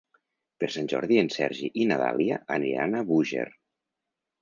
Per Sant Jordi en Sergi i na Dàlia aniran a Búger.